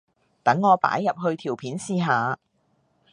等我擺入去條片試下